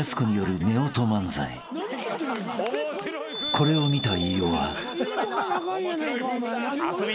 ［これを見た飯尾は］